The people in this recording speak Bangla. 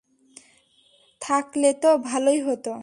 থাকলেতো ভালোই হতো!